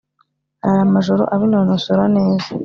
arara amajoro abinonosora neza.